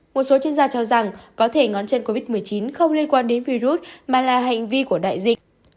một số chuyên gia cho rằng có thể ngón chân covid một mươi chín không liên quan đến virus mà là hành vi của đại dịch